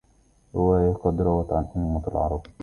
رواية قد روت عن أمة العرب